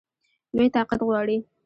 لوی طاقت غواړي.